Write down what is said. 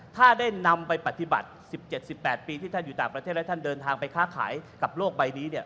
ถ้าได้นำไปปฏิบัติ๑๗๑๘ปีที่ท่านอยู่ต่างประเทศและท่านเดินทางไปค้าขายกับโลกใบนี้เนี่ย